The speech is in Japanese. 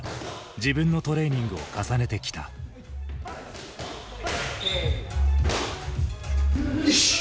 自分のトレーニングを重ねてきた。ＯＫ！